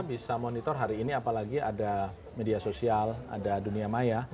bisa monitor hari ini apalagi ada media sosial ada dunia maya